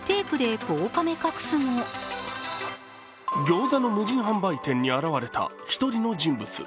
ギョーザの無人販売店に現れた一人の人物。